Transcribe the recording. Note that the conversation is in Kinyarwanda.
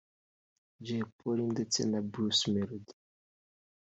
Jay Polly ndetse na Bruce Melody